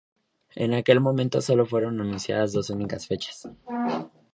En aquel momento solo fueron anunciadas dos únicas fechas.